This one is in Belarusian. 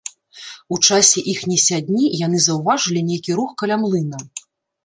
У часе іхняй сядні яны заўважылі нейкі рух каля млына.